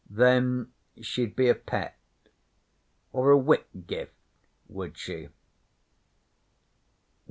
'Then she'd be a Pett or a Whitgift, would she?'